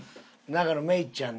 永野芽郁ちゃん。